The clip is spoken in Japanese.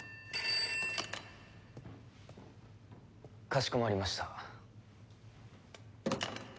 かしこまりました。